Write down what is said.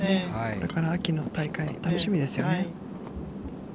だから秋の大会、楽しみですよね。